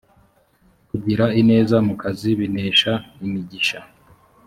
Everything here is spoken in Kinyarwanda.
kugira ineza mu kazi bihesha imigisha